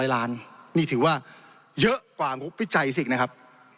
ล้านนี่ถือว่าเยอะกว่างบวิจัยสินะครับ